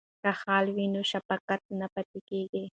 که خاله وي نو شفقت نه پاتیږي.